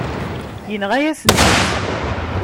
Yenɣa-yasent-tt.